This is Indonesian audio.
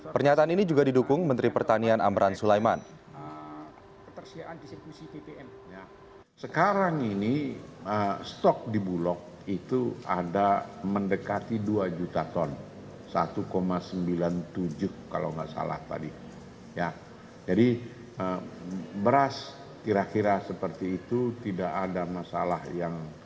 pernyataan ini juga didukung menteri pertanian amran sulaiman